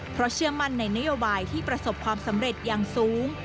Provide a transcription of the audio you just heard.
เพราะเชื่อมั่นในนโยบายที่ประสบความสำเร็จอย่างสูง